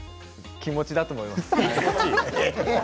気持ちだと思います。